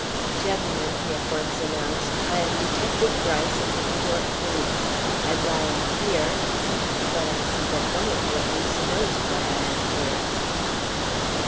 "Gentlemen," he at once announced, "I am Detective Gryce of the New York police, and I am here but I see that one of you at least knows why I am here."